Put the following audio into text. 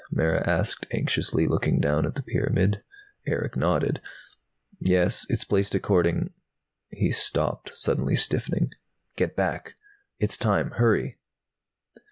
Mara asked anxiously, looking down at the pyramid. Erick nodded. "Yes, it's placed according " He stopped, suddenly stiffening. "Get back! It's time! _Hurry!